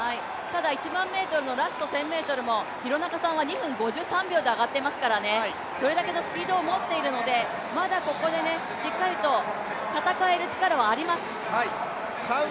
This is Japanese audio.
１００００ｍのラスト１０００ｍも廣中さんは２分５３秒で上がっていますから、それだけのスピードを持っているので、まだここでしっかりと戦える力はあります。